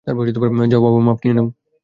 যাও বাবা মাপ নিয়ে নাও।